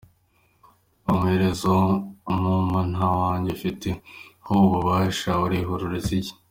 Ko amaherezo umumpa, nta wanjye ufite ho ububasha, uriruhiriza iki?